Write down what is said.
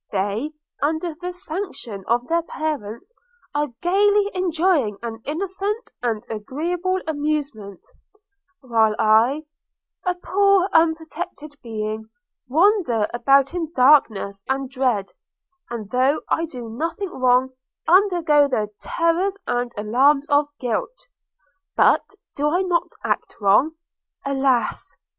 They, under the sanction of their parents, are gaily enjoying an innocent and agreeable amusement; while I, a poor unprotected being, wander about in darkness and in dread, and though I do nothing wrong, undergo the terrors and alarms of guilt. – But, do I not act wrong? Alas!